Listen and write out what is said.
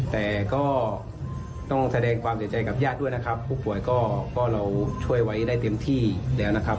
แต่ก็ต้องแสดงความเสียใจกับญาติด้วยนะครับผู้ป่วยก็เราช่วยไว้ได้เต็มที่แล้วนะครับ